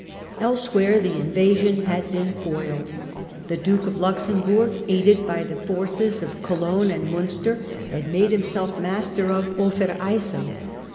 Elsewhere the invasion had been foiled. The Duke of Luxemburg, aided by the forces of Cologne and Munster, had easily made himself master of Overyssel.